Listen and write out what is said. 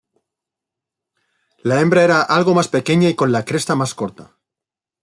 La hembra era algo más pequeña y con la cresta más corta.